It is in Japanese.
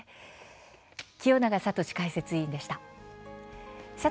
清永聡解説委員でした。